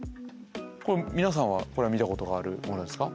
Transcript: これ皆さんはこれは見たことがあるものですか？